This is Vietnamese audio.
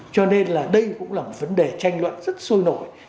cho nên là đây cũng là một vấn đề tranh luận rất sôi nổi